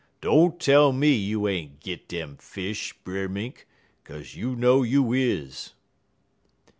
Don't tell me you ain't git dem fish, Brer Mink, 'kaze you know you is.'